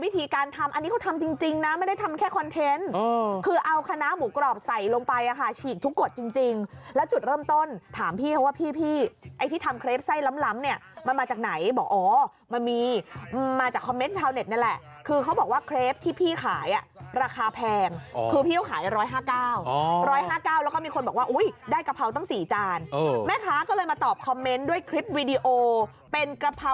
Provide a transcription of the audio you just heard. วิธีการทำอันนี้เขาทำจริงจริงนะไม่ได้ทำแค่คอนเทนต์เออคือเอาคณะหมูกรอบใส่ลงไปอะค่ะฉีกทุกกฎจริงจริงแล้วจุดเริ่มต้นถามพี่เขาว่าพี่พี่ไอ้ที่ทำเครพไส้ล้ำล้ำเนี้ยมันมาจากไหนบอกอ๋อมันมีอืมมาจากคอมเมนต์ชาวเน็ตนั่นแหละคือเขาบอกว่าเครพ